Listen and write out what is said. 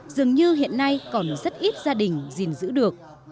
dường như hiện nay còn rất ít gia đình gìn giữ được